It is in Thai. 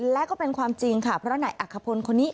และก็เป็นความจริงค่ะเพราะนายอักขพลคนนี้